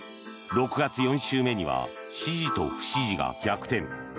６月４週目には支持と不支持が逆転。